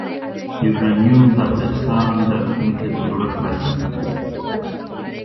یورانیم د افغانستان د ځمکې د جوړښت نښه ده.